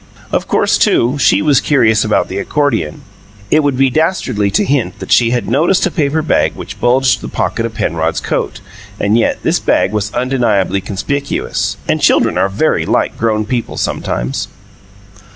Of course, too, she was curious about the accordion. It would be dastardly to hint that she had noticed a paper bag which bulged the pocket of Penrod's coat, and yet this bag was undeniably conspicuous "and children are very like grown people sometimes!"